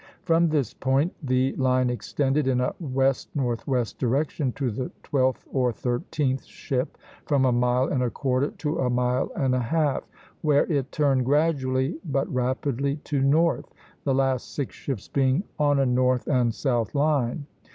From this point the line extended in a west northwest direction to the twelfth or thirteenth ship (from a mile and a quarter to a mile and a half), where it turned gradually but rapidly to north, the last six ships being on a north and south line.